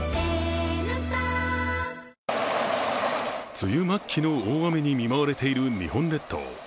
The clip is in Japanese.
梅雨末期の大雨に見舞われている日本列島。